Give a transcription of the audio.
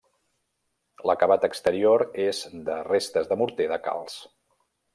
L'acabat exterior és de restes de morter de calç.